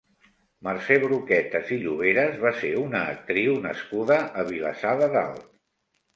Mercè Bruquetas i Lloveras va ser una actriu nascuda a Vilassar de Dalt.